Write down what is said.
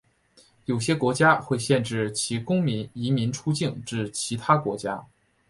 有些国家会限制其公民移民出境至其他国家。